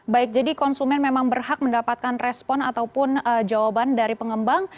baik jadi konsumen memang berhak mendapatkan respon ataupun jawaban dari pengembang